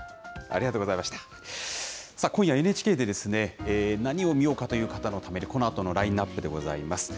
さあ、今夜、ＮＨＫで何を見ようかという方のために、このあとのラインナップでございます。